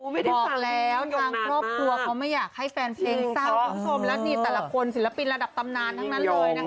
ไม่ถูกแล้วทางครอบครัวเขาไม่อยากให้แฟนเพลงเศร้าคุณผู้ชมและนี่แต่ละคนศิลปินระดับตำนานทั้งนั้นเลยนะคะ